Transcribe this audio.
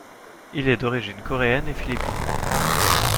Il est d’origine coréenne et philippine.